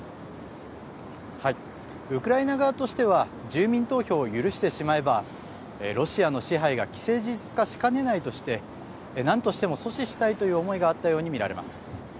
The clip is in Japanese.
ウクライナ側としては住民投票を許してしまえばロシアの支配が既成事実化しかねないとして何としても阻止したいという思いがあったように見られます。